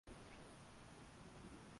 Chochote unipacho nitashukuru.